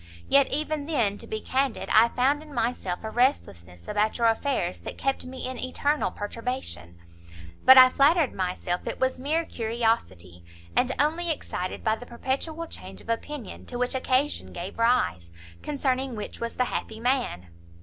Yet even then, to be candid, I found in myself a restlessness about your affairs that kept me in eternal perturbation; but I flattered myself it was mere curiosity, and only excited by the perpetual change of opinion to which occasion gave rise, concerning which was the happy man."